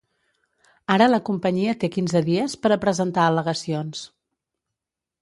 Ara la companyia té quinze dies per a presentar al·legacions.